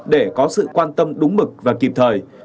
để có sự quan tâm đúng mực và kịp thời